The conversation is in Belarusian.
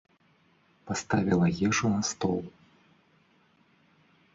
Паставіла ежу на стол.